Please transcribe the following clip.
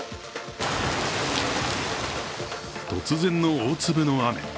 突然の大粒の雨。